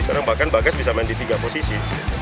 sekarang bahkan bagas bisa main di tiga posisi